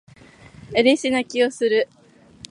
嬉し泣きをする